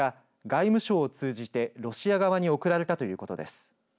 外務省を通じてロシア側に送られたということです。